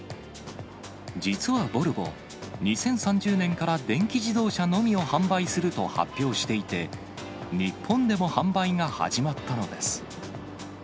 実はボルボ、２０３０年から電気自動車のみを販売すると発表していて、日本でも販売が始まったのです。